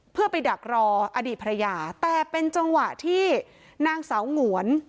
เพื่อไปดักรออดีตภรรยาแต่เป็นจังหวะที่นางสาวหงวน